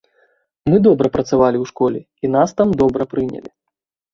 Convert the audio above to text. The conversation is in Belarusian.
Мы добра працавалі ў школе, і нас там добра прынялі.